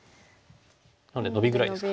なんでノビぐらいですか。